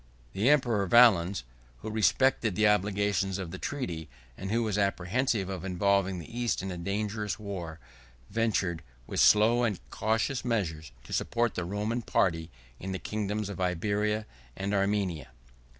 The emperor Valens, who respected the obligations of the treaty, and who was apprehensive of involving the East in a dangerous war, ventured, with slow and cautious measures, to support the Roman party in the kingdoms of Iberia and Armenia.